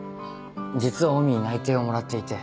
実はオウミに内定をもらっていて。